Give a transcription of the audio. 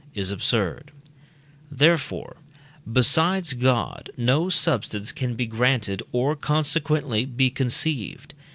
is absurd; therefore, besides God no substance can be granted, or, consequently, be conceived.